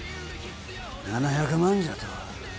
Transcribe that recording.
７００万じゃと？